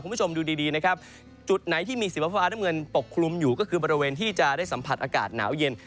คุณผู้ชมดูดีดีนะครับจุดไหนที่มีสีฟ้าน้ำเงินปกคลุมอยู่ก็คือบริเวณที่จะได้สัมผัสอากาศหนาวเย็น